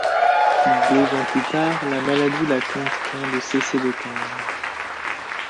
Deux ans plus tard, la maladie l'a contraint de cesser de peindre.